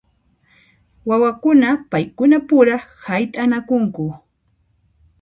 Wawakuna paykuna pura hayt'anakunku.